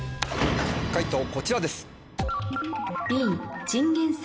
解答こちらです。